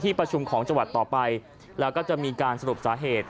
ประชุมของจังหวัดต่อไปแล้วก็จะมีการสรุปสาเหตุ